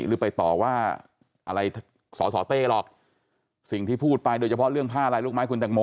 หรือไปต่อว่าอะไรสอสอเต้หรอกสิ่งที่พูดไปโดยเฉพาะเรื่องผ้าลายลูกไม้คุณแตงโม